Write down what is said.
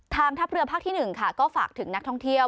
ทางทัพเรือภาคที่๑ค่ะก็ฝากถึงนักท่องเที่ยว